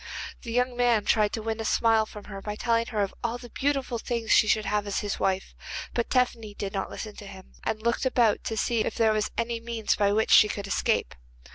The young man tried to win a smile from her by telling of all the beautiful things she should have as his wife, but Tephany did not listen to him, and looked about to see if there was any means by which she could escape.